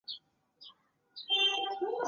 国际疫情快速蔓延带来的输入性风险增加